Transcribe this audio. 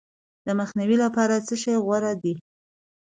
د مخنیوي لپاره څه شی غوره دي؟